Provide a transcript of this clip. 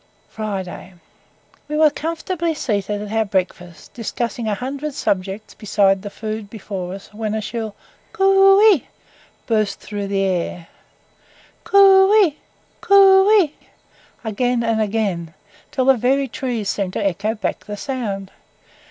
FRIDAY. We were comfortably seated at our breakfast, discussing a hundred subjects besides the food before us, when a shrill "coo ey" burst through the air; "coo ey" "coo ey" again and again, till the very trees seemed to echo back the sound.